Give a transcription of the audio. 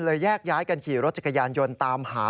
แยกย้ายกันขี่รถจักรยานยนต์ตามหา